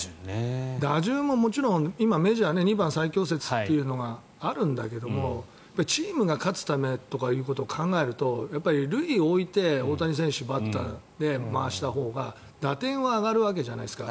打順ももちろん今、メジャーは２番最強説というのがあるんだけどチームが勝つためということを考えると塁に置いて大谷選手がバッターで回したほうが打点は上がるわけじゃないですか。